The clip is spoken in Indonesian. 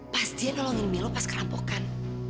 pas dia nolongin milu pas kerampokan